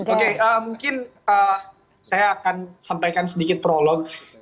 oke mungkin saya akan sampaikan sedikit prolog